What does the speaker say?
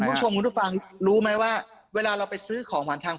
คุณผู้ชมคุณผู้ฟังรู้ไหมว่าเวลาเราไปซื้อของหวานทาง